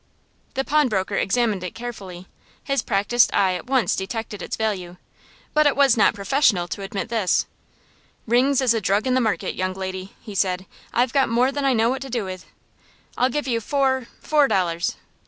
The pawnbroker examined it carefully. His practiced eye at once detected its value, but it was not professional to admit this. "Rings is a drug in the market, young lady," he said. "I've got more than I know what to do with. I'll give you four four dollars."